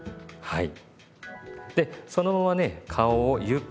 はい。